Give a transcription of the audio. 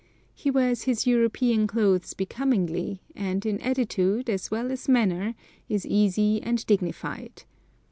He wears his European clothes becomingly, and in attitude, as well as manner, is easy and dignified.